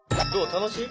楽しい？